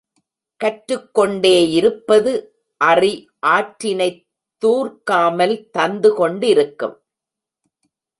கற்றுக் கொண்டே இருப்பது அறி ஆற்றினைத் துார்க்காமல் தந்து கொண்டிருக்கும்.